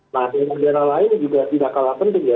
nah daerah daerah lain juga tidak kalah penting ya